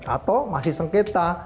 atau masih sengketa